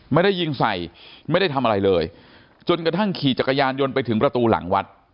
ไม่ได้ยิงใส่ไม่ได้ทำอะไรเลยจนกระทั่งขี่จักรยานยนต์ไปถึงประตูหลังวัด